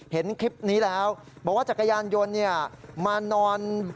เห็นคลิปนี้แล้วบอกว่าจักรยานยนต์มานอน